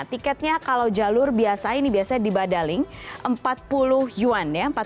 tiketnya kalau jalur biasa ini biasanya di badaling empat puluh yuan ya